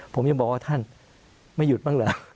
ผมยังบอกว่าท่านไม่หยุดบ้างเหรอ